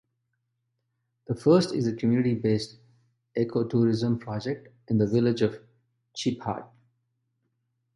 The first is a Community-Based Eco-Tourism project in the village of Chi-Phat.